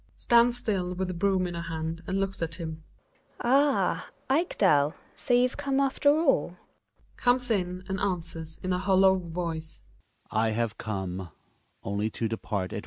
Gina (stands still with the broom in her hand and looks at him). Ah ! Ekdal, so you've come after all? Hjalmar (comes in and answers in a hollow voice).